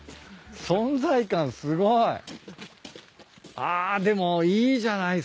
存在感すごい。あっでもいいじゃないっすか。